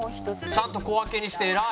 ちゃんと小分けにして偉い。